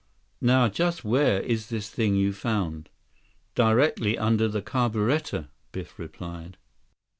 Now just where is this thing you found?" "Directly under the carburetor," Biff replied.